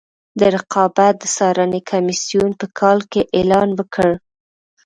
د رقابت د څارنې کمیسیون په کال کې اعلان وکړ.